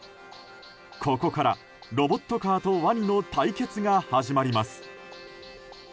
ここからロボットカーとワニの対決が始まります。